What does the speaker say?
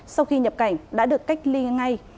sau khi nhập cảnh đã được cách ly ngay